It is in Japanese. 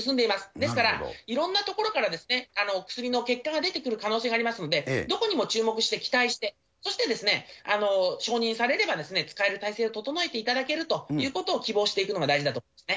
ですから、いろんなところから薬の結果が出てくる可能性がありますので、どこにも注目して期待して、そして承認されれば、使える体制を整えていただけるということを希望していくのが大事だと思いますね。